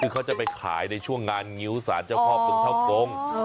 คือเขาจะไปขายในช่วงงานงิ้วสารเจ้าพ่อปึงเท่ากง